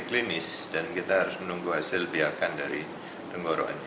klinis dan kita harus menunggu hasil biakan dari tenggorokannya